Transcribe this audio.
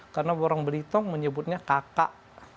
karena orang belitong menyebutnya kakak